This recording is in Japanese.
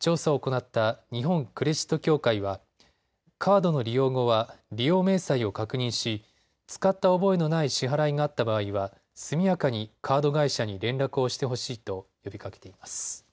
調査を行った日本クレジット協会はカードの利用後は利用明細を確認し使った覚えのない支払いがあった場合は速やかにカード会社に連絡をしてほしいと呼びかけています。